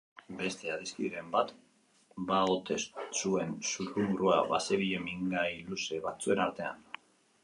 Beste adiskideren bat ba ote zuen zurrumurrua bazebilen mingain-luze batzuen artean.